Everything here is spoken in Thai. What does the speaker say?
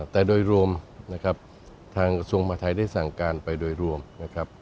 แต่โดยรวมนะครับทางกระทรวงมหาทัยได้สั่งการไปโดยรวมนะครับ